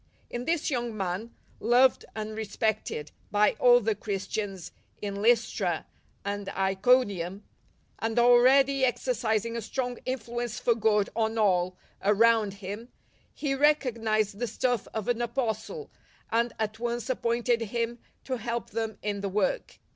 In this young man, loved and re spected by all tlie Christians in L5^stra and Iconium, and already exercising a strong influence for good on all around him, he recognized the stuff of an Apostle, and at once appointed him to help them in the work.